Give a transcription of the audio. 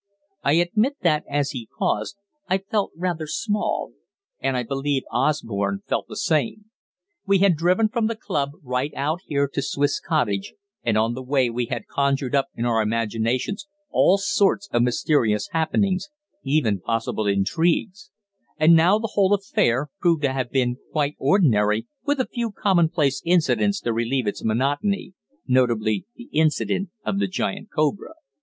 I admit that, as he paused, I felt rather "small"; and I believe Osborne felt the same. We had driven from the club right out here to Swiss Cottage, and on the way we had conjured up in our imaginations all sorts of mysterious happenings, even possible intrigues; and now the whole affair proved to have been "quite ordinary," with a few commonplace incidents to relieve its monotony notably the incident of the giant cobra.